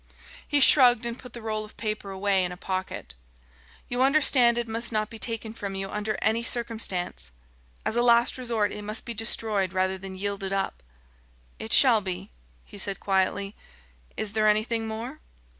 He shrugged and put the roll of paper away in a pocket. "You understand it must not be taken from you under any circumstance? As a last resort, it must be destroyed rather than yielded up." "It shall be," he said quietly. "Is there anything more?"